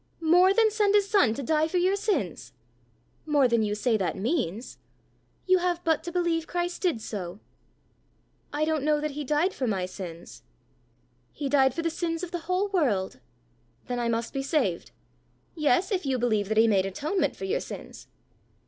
"More than send his son to die for your sins?" "More than you say that means." "You have but to believe Christ did so." "I don't know that he died for my sins." "He died for the sins of the whole world." "Then I must be saved!" "Yes, if you believe that he made atonement for your sins."